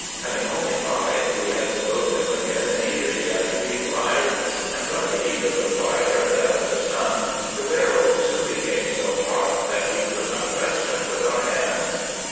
Having only five, we had to load them again immediately after being fired ; and from the heat of the fire and that of the sun, the barrels soon became so hot, that we could not touch them with our hands.